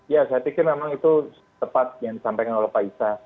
ya saya pikir memang itu tepat yang disampaikan oleh pak isa